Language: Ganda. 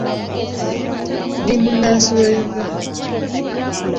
Ndi munnsansi wa Uganda.